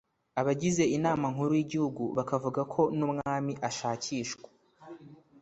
Abagize Inama Nkuru y’Igihugu bakavuga ko n’umwami ashakishwa